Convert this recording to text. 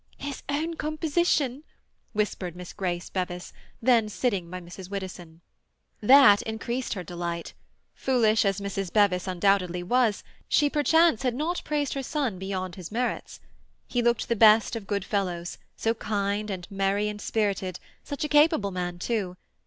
"His own composition," whispered Miss Grace Bevis, then sitting by Mrs. Widdowson. That increased her delight. Foolish as Mrs. Bevis undoubtedly was, she perchance had not praised her son beyond his merits. He looked the best of good fellows; so kind and merry and spirited; such a capable man, too.